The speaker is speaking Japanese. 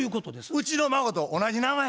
うちの孫と同じ名前。